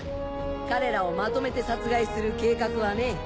彼らをまとめて殺害する計画はね。